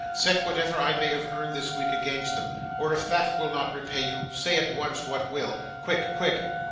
'Set whatever I may have earned this week against them, or if that will not repay you, say at once what will. Quick, quick.